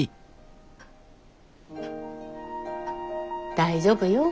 大丈夫よ